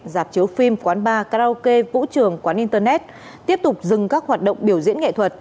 dạp chiếu phim quán bar karaoke vũ trường quán internet tiếp tục dừng các hoạt động biểu diễn nghệ thuật